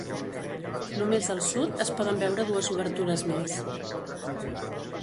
Només al sud es poden veure dues obertures més.